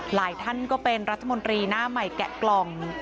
หลายท่านก็เป็นรัฐมนตรีหน้าใหม่แกะกล่อง